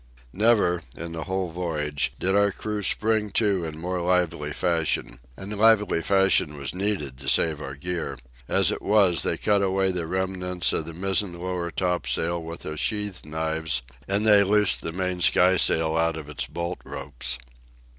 Never, in the whole voyage, did our crew spring to it in more lively fashion. And lively fashion was needed to save our gear. As it was, they cut away the remnants of the mizzen lower topsail with their sheath knives, and they loosed the main skysail out of its bolt ropes.